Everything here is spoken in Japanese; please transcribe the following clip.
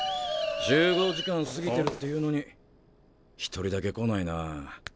集合時間過ぎてるっていうのに１人だけ来ないな。